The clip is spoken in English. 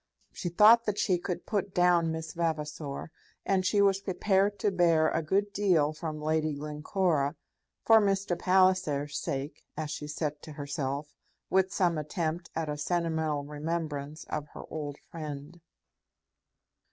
She thought that she could put down Miss Vavasor, and she was prepared to bear a good deal from Lady Glencora for Mr. Palliser's sake, as she said to herself, with some attempt at a sentimental remembrance of her old friend.